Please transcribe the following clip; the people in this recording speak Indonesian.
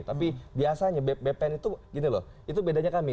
tapi biasanya bpn itu gini loh itu bedanya kami